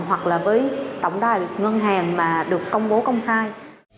hoặc là với tổng đài ngân hàng mà được công bố công khai